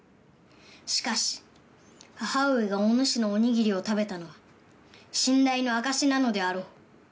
しかし母上がおぬしのおにぎりを食べたのは信頼の証しなのであろう。